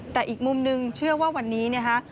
แต่อีกมุมนึงเชื่อว่าวันนี้นะฮะ